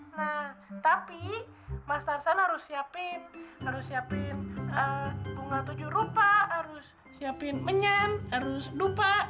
nah tapi mas sarsan harus siapin bunga tujuh rupa harus siapin menyan harus dupa